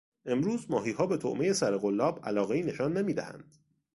امروز ماهیها به طعمهی سرقلاب علاقهای نشان نمیدهند.